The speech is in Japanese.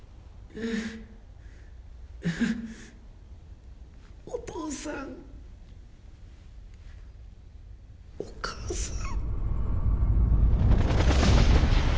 ううっお父さんお母さん